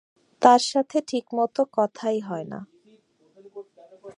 তার সাথে ঠিকমতো কথাই হয়না।